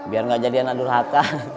biar gak jadi anak durhaka